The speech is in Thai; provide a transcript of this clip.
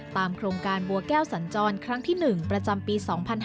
โครงการบัวแก้วสัญจรครั้งที่๑ประจำปี๒๕๕๙